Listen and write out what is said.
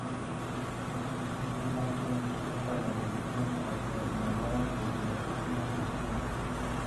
Miguel Blanco ostenta la dirección de la coordinadora desde las últimas elecciones.